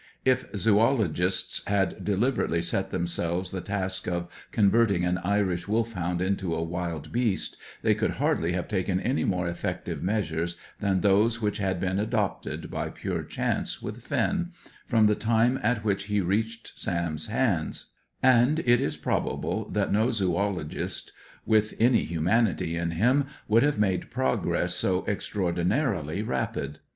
If zoologists had deliberately set themselves the task of converting an Irish Wolfhound into a wild beast, they could hardly have taken any more effective measures than those which had been adopted by pure chance with Finn, from the time at which he reached Sam's hands; and it is probable that no zoologist with any humanity in him would have made progress so extraordinarily rapid.